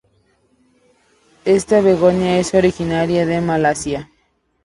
Esta begonia es originaria de Malasia.